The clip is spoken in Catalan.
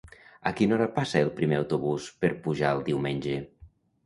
A quina hora passa el primer autobús per Pujalt diumenge?